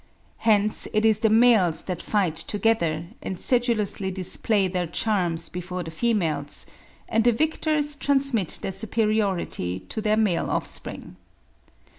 Hence it is the males that fight together and sedulously display their charms before the females; and the victors transmit their superiority to their male offspring.